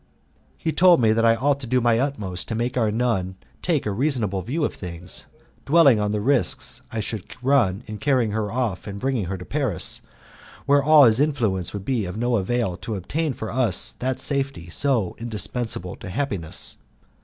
He told me that I ought to do my utmost to make our nun take a reasonable view of things, dwelling on the risks I should run in carrying her off and bringing her to Paris, where all his influence would be of no avail to obtain for us that safety so indispensable to happiness.